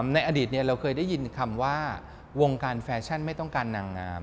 ในอดีตเราเคยได้ยินคำว่าวงการแฟชั่นไม่ต้องการนางงาม